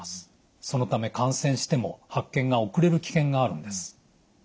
そのため感染しても発見が遅れる危険があるんです。